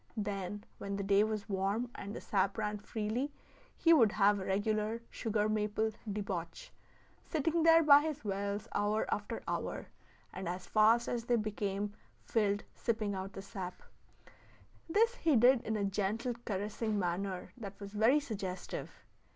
Then, when the day was warm, and the sap ran freely, he would have a regular sugar maple debauch, sitting there by his wells hour after hour, and as fast as they became filled sipping out the sap. This he did in a gentle, caressing manner that was very suggestive.